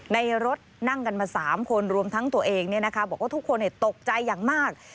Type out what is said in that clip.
ในรถนั่งกันมา๓คนรวมทั้งตัวเองบอกว่าทุกคนตกใจอย่างมาก